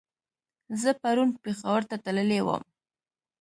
زه پرون پېښور ته تللی ووم